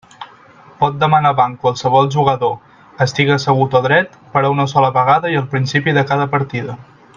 Pot demanar banc qualsevol jugador, estiga assegut o dret, per a una sola vegada i al principi de cada partida.